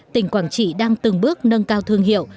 tỉnh quảng trị đang từng bước nâng cao thương hiệu